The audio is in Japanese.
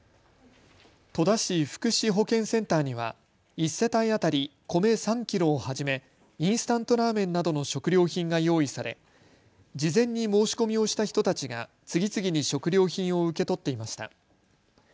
戸田市福祉保健センターには１世帯当たり、米３キロをはじめインスタントラーメンなどの食料品が用意され事前に申し込みをした人たちが次々に食料品を受け取っていました。